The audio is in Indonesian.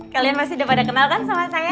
kalian masih udah pada kenal kan sama saya